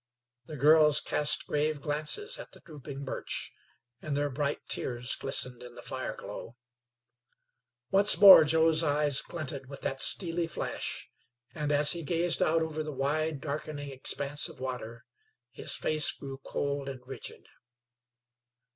The girls cast grave glances at the drooping birch, and their bright tears glistened in the fire glow. Once more Joe's eyes glinted with that steely flash, and as he gazed out over the wide, darkening expanse of water his face grew cold and rigid.